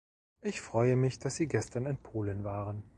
Ich freue mich, dass Sie gestern in Polen waren.